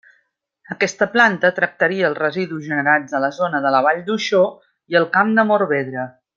Aquesta planta tractaria els residus generats a la zona de la Vall d'Uixó i el Camp de Morvedre.